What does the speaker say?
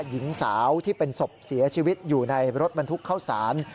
หญิงสาวที่เป็นศพเสียชีวิตอยู่ในรถบรรทุกเข้าสาร